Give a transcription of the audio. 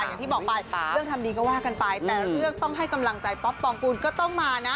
อย่างที่บอกไปเรื่องทำดีก็ว่ากันไปแต่เรื่องต้องให้กำลังใจป๊อปปองกูลก็ต้องมานะ